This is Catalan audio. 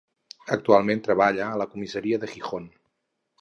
Actualment treballa a la Comissaria de Gijón.